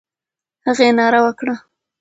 هغې ناره وکړه.